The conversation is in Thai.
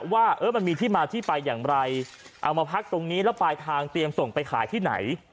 ว่ามันมีที่มาที่ไปอย่างไรเอามาพักตรงนี้แล้วปลายทางเตรียมส่งไปขายที่ไหน